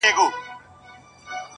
خوښ چې ملا ساتم د رقیب کافر له پاره زه